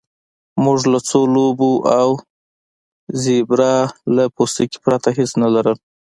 موږ له څو لوبو او د زیبرا له پوستکي پرته هیڅ نه لرل